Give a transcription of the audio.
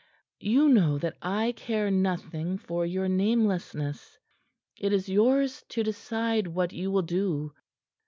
You know that I care nothing for your namelessness. It is yours to decide what you will do.